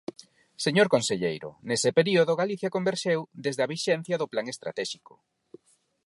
Señor conselleiro, nese período Galicia converxeu desde a vixencia do Plan estratéxico.